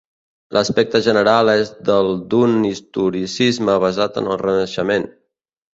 L'aspecte general és del d'un historicisme basat en el Renaixement.